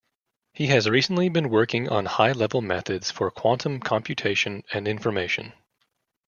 He has recently been working on high-level methods for quantum computation and information.